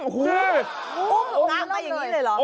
หือโอ้โหองค์น้องไปอย่างนี้เลยเหรอ